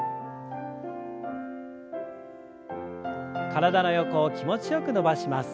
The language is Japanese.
体の横を気持ちよく伸ばします。